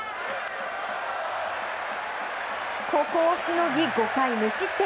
ここをしのぎ５回無失点。